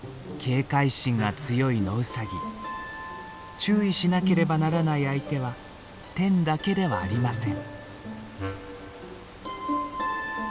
注意しなければならない相手はテンだけではありません。